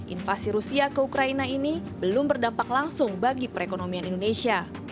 invasi rusia ke ukraina ini belum berdampak langsung bagi perekonomian indonesia